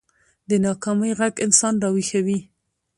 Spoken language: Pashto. د ناکامۍ غږ انسان راويښوي